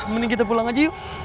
mending kita pulang aja yuk